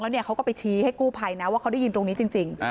เขาก็ไปชี้ให้กู้ภัยนะว่าเขาได้ยินตรงนี้จริง